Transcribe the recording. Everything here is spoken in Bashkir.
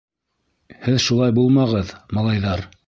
— Һеҙ шулай булмағыҙ, малайҙар.